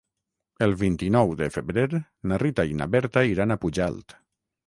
El vint-i-nou de febrer na Rita i na Berta iran a Pujalt.